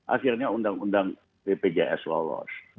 akhirnya undang undang bpjs lolos